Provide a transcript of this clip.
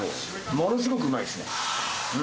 ものすごくうまいですね。